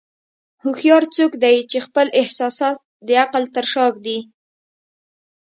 هوښیار څوک دی چې خپل احساسات د عقل تر شا ږدي.